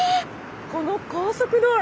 この高速道路！